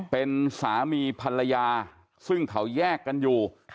เป็นสามีภรรยาซึ่งเขาแยกกันอยู่